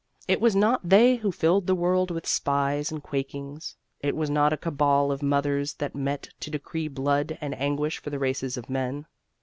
It was not they who filled the world with spies and quakings. It was not a cabal of mothers that met to decree blood and anguish for the races of men.